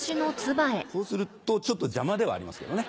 こうするとちょっと邪魔ではありますけどね